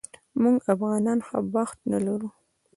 موږ افغانان ښه بخت نه لرو